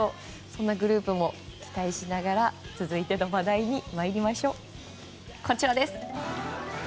そんなグループも期待しながら続いての話題はこちらです。